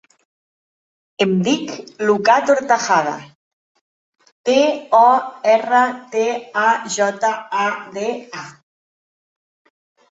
Em dic Lucà Tortajada: te, o, erra, te, a, jota, a, de, a.